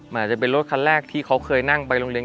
มันอาจจะเป็นรถคันแรกที่เขาเคยนั่งไปโรงเรียน